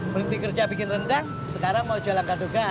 berhenti kerja bikin rendang sekarang mau jualan gaduh gaduh